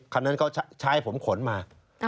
คันนั้นเขาใช้ผมขนมา